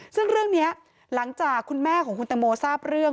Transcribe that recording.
ซึ่งเรื่องนี้หลังจากคุณแม่ของคุณตังโมทราบเรื่อง